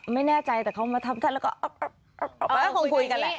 ไม่แน่ใจแต่เขามาทำท่านแล้วก็คงคุยกันแหละ